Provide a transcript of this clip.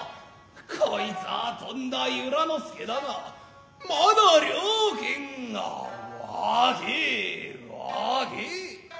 こいつァ飛んだ由良之助だがまだ了簡が若え若え。